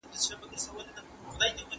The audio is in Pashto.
قران مله بریالی که دي مرشد وو